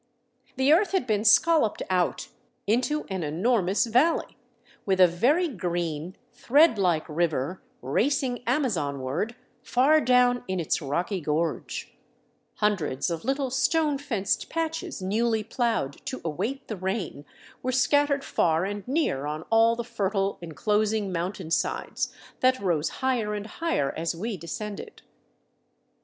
The earth had been scolloped out into an enormous valley, with a very green, thread like river racing Amazonward far down in its rocky gorge ; hundreds of little stone fenced patches newly plowed to await the rain, were scattered far and near on all the fertile, enclosing mountainsides that rose higher and higher as we descended.